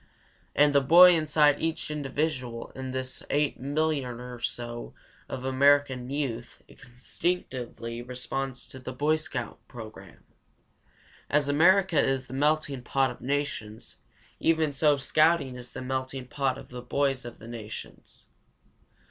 And the boy inside each individual in this 8,000,000 or so of American youth instinctively responds to the Boy Scout program. As America is the melting pot of the nations, even so scouting is the melting pot of the boys of the nations.